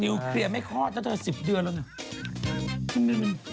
นิวเคลียร์ไม่คลอดแล้วเธอ๑๐เดือนแล้วเนี่ย